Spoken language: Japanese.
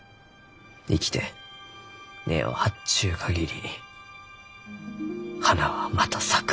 生きて根を張っちゅう限り花はまた咲く。